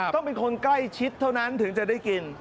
ต้องเป็นคนใกล้ชิดเท่านั้นถึงจะได้กิน